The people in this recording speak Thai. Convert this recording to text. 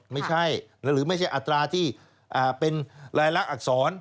ไม่ใช่หรือไม่ใช่อัตราที่เป็นรายละอักษร